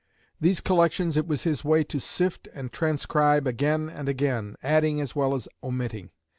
These collections it was his way to sift and transcribe again and again, adding as well as omitting.